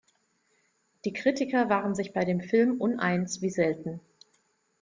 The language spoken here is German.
Die Kritiker waren sich bei dem Film uneins wie selten.